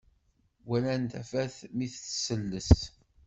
Walan tafat mi tselles